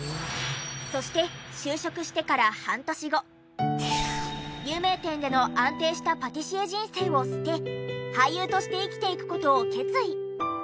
そして有名店での安定したパティシエ人生を捨て俳優として生きていく事を決意。